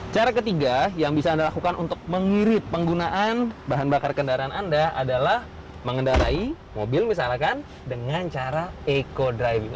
cara ketiga yang bisa anda lakukan untuk mengirit penggunaan bahan bakar kendaraan anda adalah mengendarai mobil misalkan dengan cara eco driving